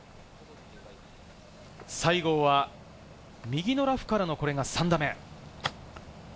西郷は、右のラフからのこれが３打目。